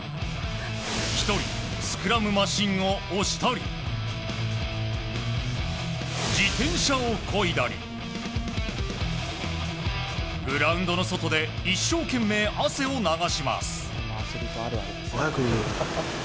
１人、スクラムマシンを押したり自転車をこいだりグラウンドの外で一生懸命汗を流します。